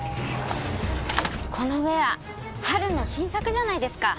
このウェア春の新作じゃないですか。